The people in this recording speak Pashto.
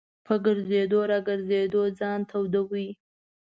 په ګرځېدو را ګرځېدو ځان توداوه.